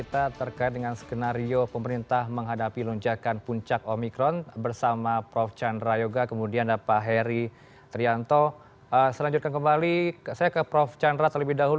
tetapi dengan pengalaman yang kemarin tidak hanya di jakarta tetapi di daerah daerah